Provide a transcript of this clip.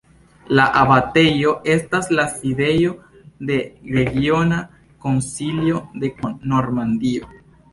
La abatejo estas la sidejo de Regiona Konsilio de Normandio.